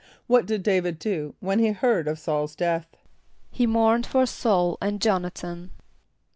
= What did D[=a]´vid do when he heard of S[a:]ul's death? =He mourned for S[a:]ul and J[)o]n´a than.